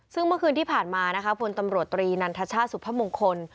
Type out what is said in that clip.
ซึ่งเมื่อคืนที่ผ่านมานะคะพลตำรวจตรีนันทชาติสุพมงคล